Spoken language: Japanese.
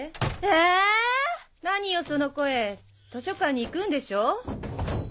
えっ⁉何よその声図書館に行くんでしょ。